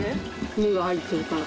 夢侑が入ってるから。